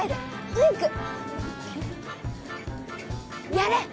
やれ！